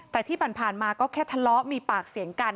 แต่ที่ผ่านมาก็แค่ทะเลาะมีปากเสียงกัน